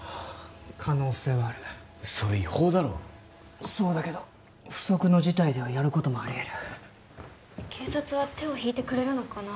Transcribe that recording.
可能性はあるそれ違法だろそうだけど不測の事態ではやることもありえる警察は手を引いてくれるのかな？